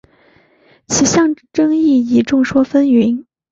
其象征意义众说纷纭。